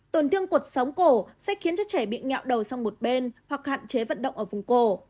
tổn thương cuộc sống cổ sẽ khiến cho trẻ bị nghèo đầu sang một bên hoặc hạn chế vận động ở vùng cổ